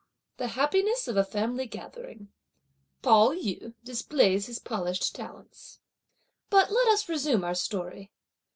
The happiness of a family gathering. Pao yü displays his polished talents. But let us resume our story.